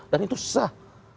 dan itu susah